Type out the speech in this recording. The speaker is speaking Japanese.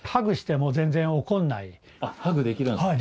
ハグできるんですか？